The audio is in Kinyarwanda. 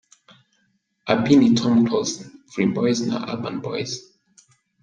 Abi ni Tom Close, Dream Boys na Urban Boys.